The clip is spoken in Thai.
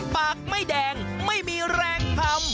ปากไม่แดงไม่มีแรงทำ